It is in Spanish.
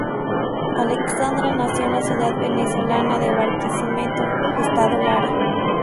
Alexandra nació en la ciudad venezolana de Barquisimeto, estado Lara.